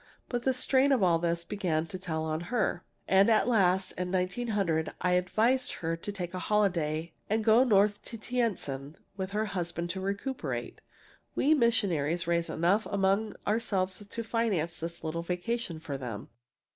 But the strain of all this began to tell on her, and at last, in 1900, I advised her to take a holiday, and go north to Tientsin with her husband to recuperate. We missionaries raised enough among ourselves to finance this little vacation for them.